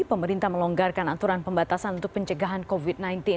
pemerintah melonggarkan aturan pembatasan untuk pencegahan covid sembilan belas